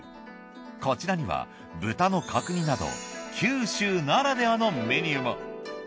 こちらには豚の角煮など九州ならではのメニューも。